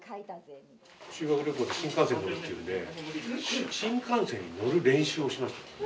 修学旅行で新幹線に乗るっていうんで新幹線に乗る練習をしましたね。